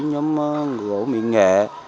nhóm gỗ miệng nghệ